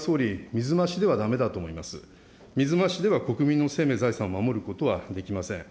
水増しでは国民の生命、財産を守ることはできません。